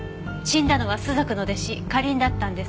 死んだのは朱雀の弟子花凛だったんです。